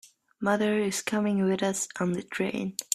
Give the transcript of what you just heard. Mother is coming with us on the train.